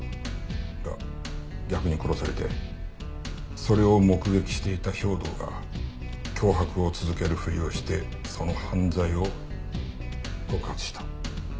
が逆に殺されてそれを目撃していた兵働が脅迫を続けるふりをしてその犯罪を告発した。